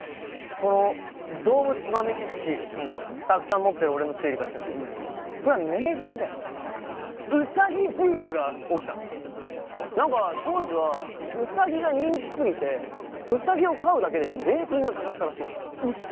この動物豆知識たくさん持ってる俺の推理からするとこれは何か当時はウサギが人気すぎてウサギを飼うだけで税金がかかったらしいの嘘！？